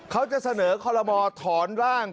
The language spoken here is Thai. เขาจะเสนอคอลโลมอถอนร่าง